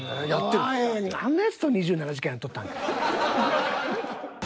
おいあんなやつと「２７時間」やっとったんか。